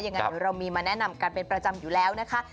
ยังไงเดี๋ยวเรามีมาแนะนำกันเป็นประจำอยู่แล้วนะคะ